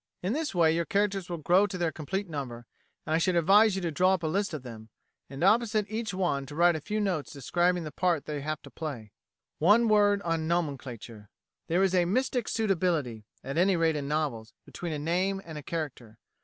In this way your characters will grow to their complete number, and I should advise you to draw up a list of them, and opposite each one write a few notes describing the part they will have to play. One word on nomenclature. There is a mystic suitability at any rate in novels between a name and a character.